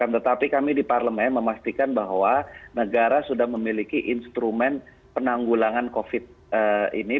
tetapi kami di parlemen memastikan bahwa negara sudah memiliki instrumen penanggulangan covid ini